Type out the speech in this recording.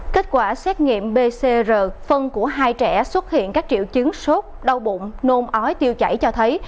kết quả xét nghiệm pcr phân của hai trẻ xuất hiện các triệu chứng sốt đau bụng nôn ói tiêu chảy cho thấy